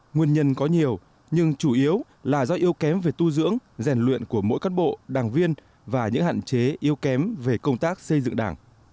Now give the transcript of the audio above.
nguyên nhân có nhiều nhưng chủ yếu là do yếu kém về tu dưỡng rèn luyện của mỗi cán bộ đảng viên và những hạn chế yếu kém về công tác xây dựng đảng